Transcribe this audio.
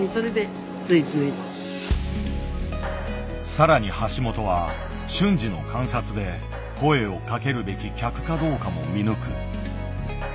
さらに橋本は瞬時の観察で声をかけるべき客かどうかも見抜く。